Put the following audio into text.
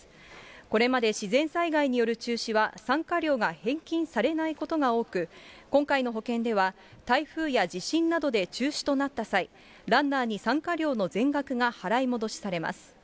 これまで自然災害による中止は、参加料が返金されないことが多く、今回の保険では台風や地震などで中止となった際、ランナーに参加料のぜんがくが払い戻しされます。